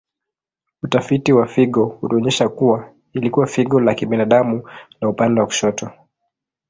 Utafiti wa figo ulionyesha kuwa ilikuwa figo la kibinadamu la upande wa kushoto.